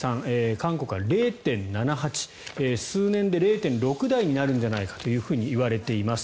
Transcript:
韓国は０．７８９数年で０．６台になるんじゃないかといわれています。